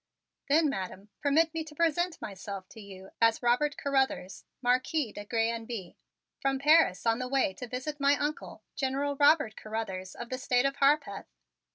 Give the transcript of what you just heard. "Then, Madam, permit me to present myself to you as Robert Carruthers, Marquis de Grez and Bye, from Paris on my way to visit my Uncle, General Robert Carruthers, of the State of Harpeth.